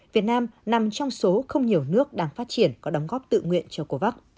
việt nam nằm trong số không nhiều nước đang phát triển có đóng góp tự nguyện cho covax